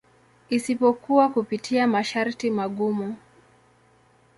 Isipokuwa kupitia masharti magumu.